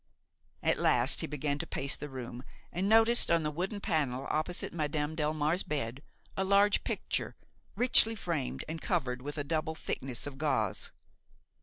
At last he began to pace the room and noticed, on the wooden panel opposite Madame Delmare's bed, a large picture, richly framed and covered with a double thickness of gauze.